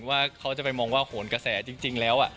ว่าเขาจะไปมองว่าโหนกระแสจริงแล้ว